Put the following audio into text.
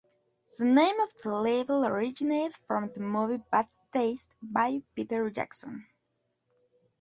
The name of the label originated from the movie "Bad Taste" by Peter Jackson.